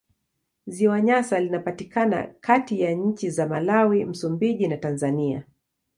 Ziwa Nyasa linapatikana kati ya nchi za Malawi, Msumbiji na Tanzania.